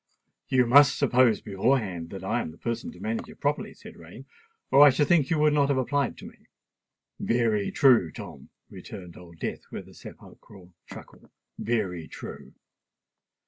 "You must suppose beforehand that I am the person to manage it properly," said Rain; "or I should think you would not have applied to me." "Very true, Tom," returned Old Death, with a sepulchral chuckle: "very true!